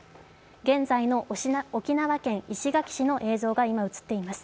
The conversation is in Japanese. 現在の沖縄県石垣市の映像が今、映っています。